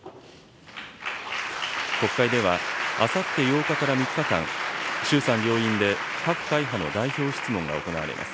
国会では、あさって８日から３日間、衆参両院で各会派の代表質問が行われます。